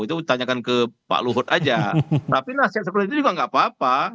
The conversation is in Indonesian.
itu ditanyakan ke pak luhut aja tapi nasihat seperti itu juga nggak apa apa